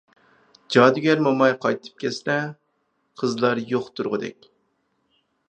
جادۇگەر موماي قايتىپ كەلسە، قىزلار يوق تۇرغۇدەك.